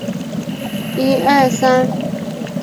普莱洛夫人口变化图示